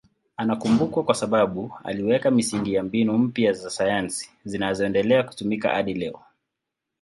Anakumbukwa kwa sababu aliweka misingi ya mbinu mpya za sayansi zinazoendelea kutumika hadi leo.